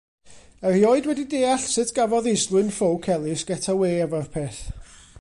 Erioed wedi deall sut gafodd Islwyn Ffowc Elis get-awê efo'r peth.